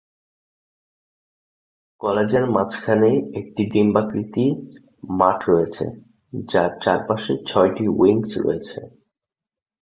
কলেজের মাঝখানে একটি ডিম্বাকৃতি মাঠ রয়েছে যার চারপাশে ছয়টি উইংস রয়েছে।